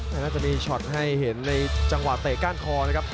น่าจะมีช็อตให้เห็นในจังหวะเตะก้านคอนะครับ